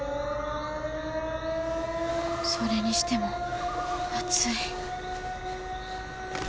それにしても暑い。